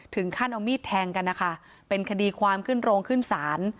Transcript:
ถึงขั้นเอามีดแทงกันนะคะเป็นคดีความขึ้นโรงขึ้นศาล